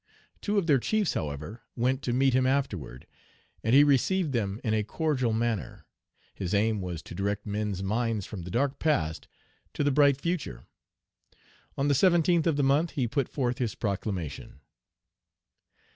Two of their chiefs, however, went to meet him afterward, and he received them in a cordial manner. His aim was to direct men's minds from the dark past to the bright future. On the 17th of the month he put forth his proclamation.